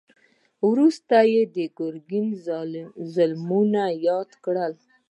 وروسته يې د ګرګين ظلمونه ياد کړل.